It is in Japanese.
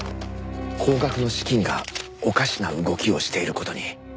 高額の資金がおかしな動きをしている事に。